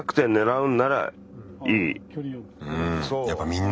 うん。